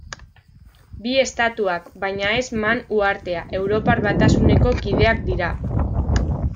Bi estatuak, baina ez Man uhartea, Europar Batasuneko kideak dira.